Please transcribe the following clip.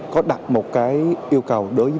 có đặt một cái yêu cầu đối với